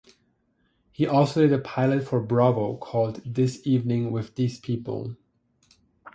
He also did a pilot for Bravo called "This Evening With These People".